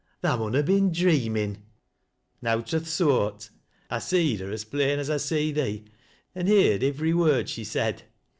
Tha mun ha' been dreamin' I "" Nowt o' th' soart. I seed her as plain as I see theo, an' heerd ivvery word she said.